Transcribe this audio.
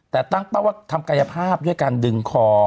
แต่ตั้งเป้าว่าทำกายภาพด้วยการดึงคอ